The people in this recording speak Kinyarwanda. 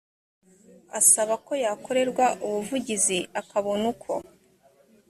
asaba ko yakorerwa ubuvugizi akabona uko